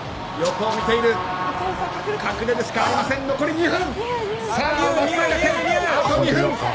隠れるしかありません、残り２分。